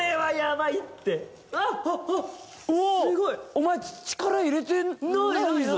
お前力入れてないでしょ？